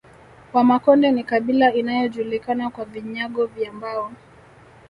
Wamakonde ni kabila inayojulikana kwa vinyago vya mbao